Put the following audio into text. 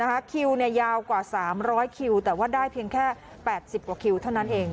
นะคะคิวเนี้ยยาวกว่าสามร้อยคิวแต่ว่าได้เพียงแค่แปดสิบกว่าคิวเท่านั้นเอง